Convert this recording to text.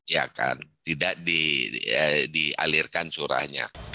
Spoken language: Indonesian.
ya kan tidak dialirkan curahnya